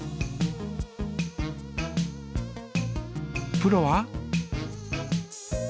プロは？